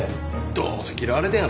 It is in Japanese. どうせ嫌われたんやろ。